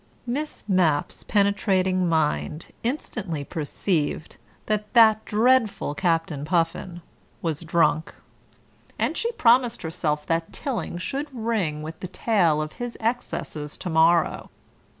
Miss Mapp's penetrating mind instantly perceived that that dreadful Captain Puffin was drunk, and she promised herself that Tilling should ring with the tale of his excesses to morrow.